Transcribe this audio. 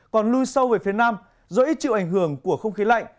còn lưu sâu về phía nam do ít triệu ảnh hưởng của không khí lạnh